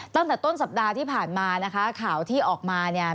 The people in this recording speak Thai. ตั้งแต่ต้นสัปดาห์ที่ผ่านมานะคะข่าวที่ออกมาเนี่ย